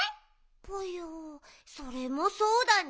ぽよそれもそうだね。